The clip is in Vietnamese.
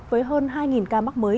với hơn hai ca mắc mới